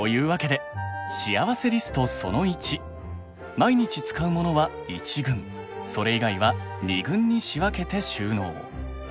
毎日使うモノは１軍それ以外は２軍に仕分けて収納。